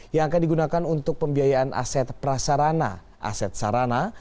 yang akan digunakan untuk pembiayaan aset prasarana aset sarana